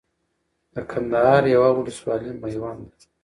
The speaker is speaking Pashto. د کندهار يوه ولسوالي ميوند ده